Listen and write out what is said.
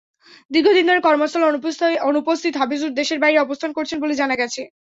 দীর্ঘদিন ধরে কর্মস্থলে অনুপস্থিত হাফিজুর দেশের বাইরে অবস্থান করছেন বলে জানা গেছে।